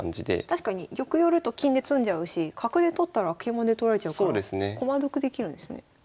確かに玉寄ると金で詰んじゃうし角で取ったら桂馬で取られちゃうから駒得できるんですね。